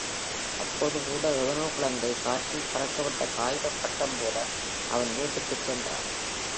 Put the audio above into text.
அப்போதுகூட, எவனோ குழந்தை காற்றில் பறக்கவிட்ட காகிதப் பட்டம்போல அவன் வீட்டுக்குச் சென்றான்.